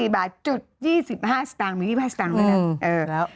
๓๔๘๐๖๔บาทจุด๒๕สตางค์มี๒๕สตางค์แล้วนะ